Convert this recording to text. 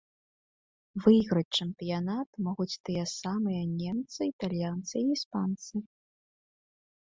Выйграць чэмпіянат могуць тыя самыя немцы, італьянцы і іспанцы.